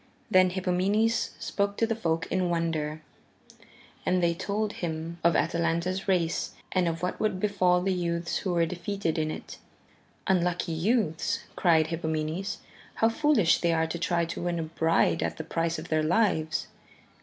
Then Hippomenes spoke to the folk in wonder, and they told him of Atalanta's race and of what would befall the youths who were defeated in it. "Unlucky youths," cried Hippomenes, "how foolish they are to try to win a bride at the price of their lives."